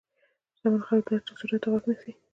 شتمن خلک د هر چا ضرورت ته غوږ نیسي.